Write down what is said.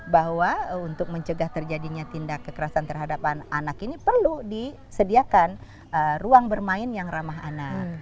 bahwa untuk mencegah terjadinya tindak kekerasan terhadap anak ini perlu disediakan ruang bermain yang ramah anak